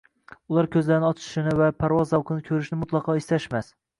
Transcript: Ular ko‘zlari ochilishini va parvoz zavqini ko‘rishni mutlaqo istashmas